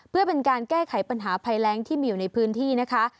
เพื่อเป็นการแก้ไขปัญหาภัยแรงที่มีอยู่ในพื้นที่นะคะ